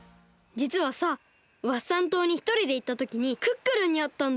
じつはさワッサン島にひとりでいったときにクックルンにあったんだ。